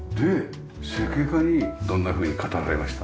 設計家にどんなふうに語られました？